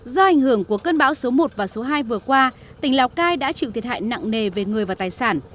do ảnh hưởng của cơn bão số một và số hai vừa qua tỉnh lào cai đã chịu thiệt hại nặng nề về người và tài sản